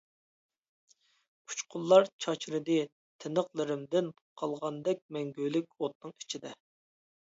ئۇچقۇنلار چاچرىدى تىنىقلىرىمدىن قالغاندەك مەڭگۈلۈك ئوتنىڭ ئىچىدە.